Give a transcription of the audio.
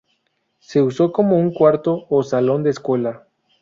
Se usó como un cuarto o salón de escuela.